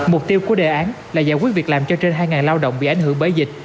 mục tiêu của đề án là giải quyết việc làm cho trên hai lao động bị ảnh hưởng bởi dịch